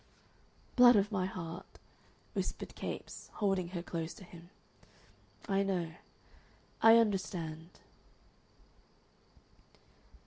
"Blood of my heart!" whispered Capes, holding her close to him. "I know. I understand."